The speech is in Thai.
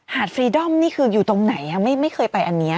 ฟรีดอมนี่คืออยู่ตรงไหนไม่เคยไปอันนี้